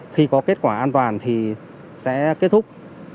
khi có kết quả an toàn thì sẽ kết thúc